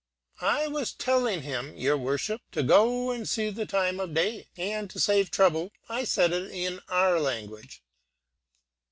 'I was telling him, your worship, to go and see the time of day, and to save trouble I said it in our language.'